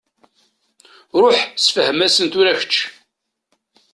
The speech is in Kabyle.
Ṛuḥ ssefhem-asen tura kečč.